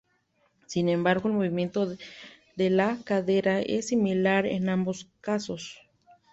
Sin embargo el movimiento de la cadera es similar en ambos casos.